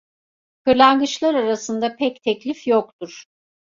Kırlangıçlar arasında pek teklif yoktur.